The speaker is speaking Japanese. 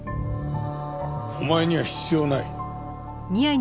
お前には必要ない。